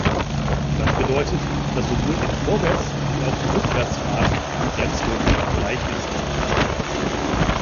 Das bedeutet, dass sowohl in Vorwärts- wie auch in Rückwärtsfahrt die Bremswirkung gleich ist.